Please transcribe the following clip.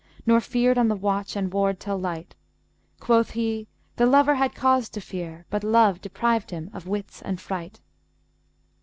* Nor feared on the watch and ward to 'light:' Quoth he 'The lover had cause to fear, * But Love deprived him of wits and fright.'